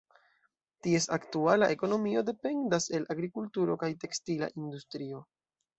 Ties aktuala ekonomio dependas el agrikulturo kaj tekstila industrio.